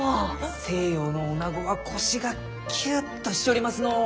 西洋のおなごは腰がキュッとしちょりますのう。